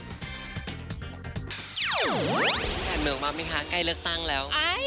แกนเมืองมามั๊ยคะใกล้เลิกตั้งแล้ว